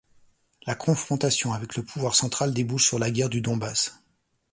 La confrontation avec le pouvoir central débouche sur la guerre du Donbass.